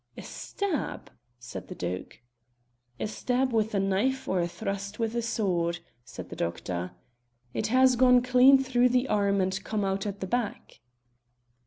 "A stab?" said the Duke. "A stab with a knife or a thrust with a sword," said the doctor. "It has gone clean through the arm and come out at the back."